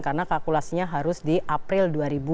karena kalkulasinya harus di april dua ribu sembilan belas